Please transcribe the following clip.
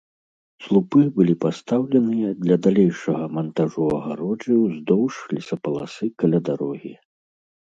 Слупы былі пастаўленыя для далейшага мантажу агароджы ўздоўж лесапаласы каля дарогі.